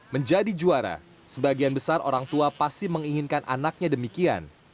menjadi juara sebagian besar orang tua pasti menginginkan anaknya demikian